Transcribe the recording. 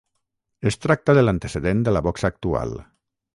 Es tracta de l'antecedent de la boxa actual.